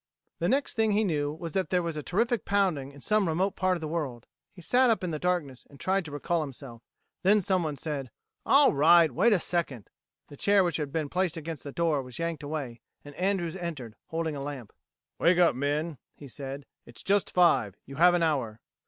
The next thing he knew was that there was a terrific pounding in some remote part of the world. He sat up in the darkness and tried to recall himself. Then someone said, "All right wait a second." The chair which had been placed against the door was yanked away, and Andrews entered, holding a lamp. "Wake up, men," he said. "It's just five. You have an hour."